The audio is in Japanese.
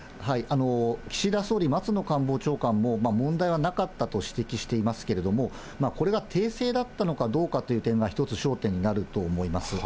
岸田総理、松野官房長官も、問題はなかったと指摘していますけれども、これが訂正だったのかどうかという点が１つ焦点になると思います。